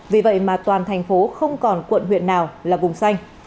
vì vậy mà toàn thành phố không còn quận huyện nào là vùng xanh